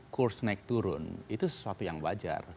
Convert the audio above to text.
kurs naik turun itu sesuatu yang wajar